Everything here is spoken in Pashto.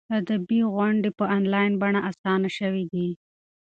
ادبي غونډې په انلاین بڼه اسانه شوي دي.